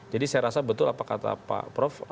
jadi saya rasa betul apa kata pak prof